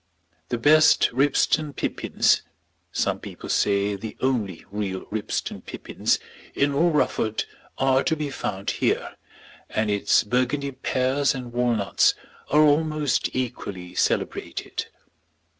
The best Ribston pippins, some people say the only real Ribston pippins, in all Rufford are to be found here, and its Burgundy pears and walnuts are almost equally celebrated.